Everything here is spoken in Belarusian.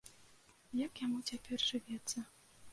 Як яму цяпер жывецца.